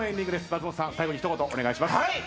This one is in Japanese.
松本さん最後に一言お願いします。